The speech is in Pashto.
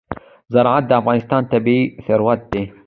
زراعت د افغانستان طبعي ثروت دی.